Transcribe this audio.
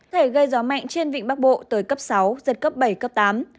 thể gây gió mạnh trên vịnh bắc bộ tới cấp sáu giật cấp bảy cấp tám